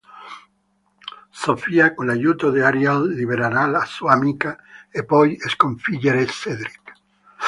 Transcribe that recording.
Sofia con l'aiuto di Ariel libererà la sua amica e poi sconfiggere Cedric.